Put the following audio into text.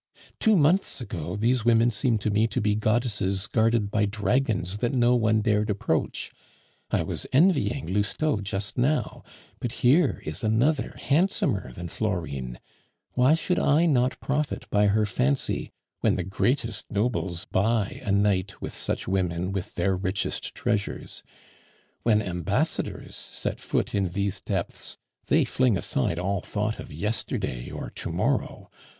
Two months ago these women seemed to me to be goddesses guarded by dragons that no one dared approach; I was envying Lousteau just now, but here is another handsomer than Florine; why should I not profit by her fancy, when the greatest nobles buy a night with such women with their richest treasures? When ambassadors set foot in these depths, they fling aside all thought of yesterday or to morrow.